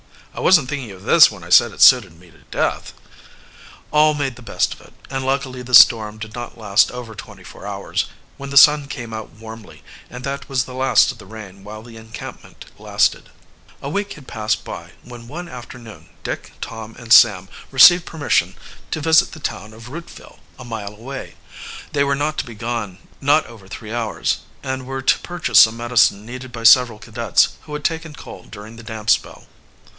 "I wasn't thinking of this when I said it suited me to death." All made the best of it, and luckily the storm did not last over twenty four hours, when the sun came out warmly, and that was the last of the rain while the encampment lasted. A week had passed by when one afternoon Dick, Tom, and Sam received permission to visit the town of Rootville, a mile away. They were not to be gone not over three hours, and were to purchase some medicine needed by several cadets who had taken cold during the damp spell.